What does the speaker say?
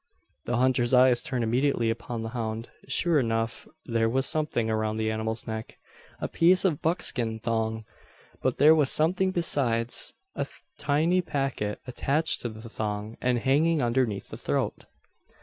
The hunter's eyes turned immediately upon the hound. Sure enough there was something around the animal's neck: a piece of buckskin thong. But there was something besides a tiny packet attached to the thong, and hanging underneath the throat!